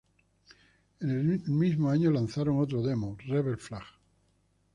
En el mismo año lanzaron otro demo "Rebel Flag".